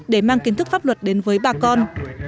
để mang kiến thức pháp luật đến với bà con